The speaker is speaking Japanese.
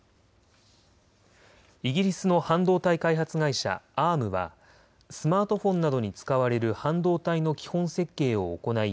イギリスの半導体開発会社、Ａｒｍはスマートフォンなどに使われる半導体の基本設計を行い